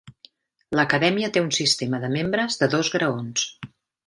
L'Acadèmia té un sistema de membres de dos graons.